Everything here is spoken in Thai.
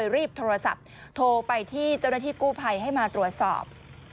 รีบโทรศัพท์โทรไปที่เจ้าหน้าที่กู้ภัยให้มาตรวจสอบ